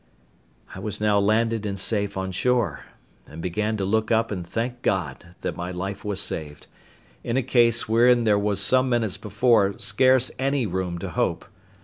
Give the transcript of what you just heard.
I was now landed and safe on shore, and began to look up and thank God that my life was saved, in a case wherein there was some minutes before scarce any room to hope.